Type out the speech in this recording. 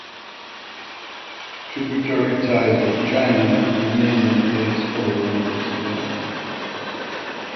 Tributary ties with China remained in place following this event.